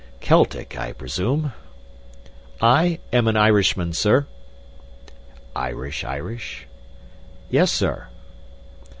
Celtic, I presume?" "I am an Irishman, sir." "Irish Irish?" "Yes, sir."